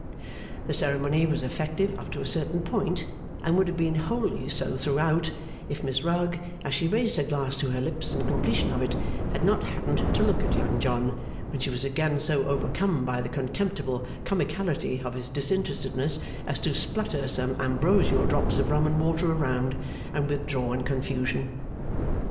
The ceremony was effective up to a certain point, and would have been wholly so throughout, if Miss Rugg, as she raised her glass to her lips in completion of it, had not happened to look at Young John; when she was again so overcome by the contemptible comicality of his disinterestedness as to splutter some ambrosial drops of rum and water around, and withdraw in confusion.